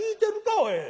おい。